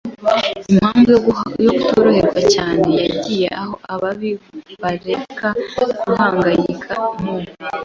impamvu yo kutoroherwa cyane, yagiye aho ababi bareka guhangayika. mu